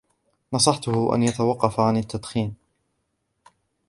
نصحته أن يتوقف عن التدخين